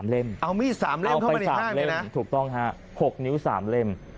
๓เล่มเอาไป๓เล่มถูกต้อง๕เล่ม๖นิ้ว๓เล่ม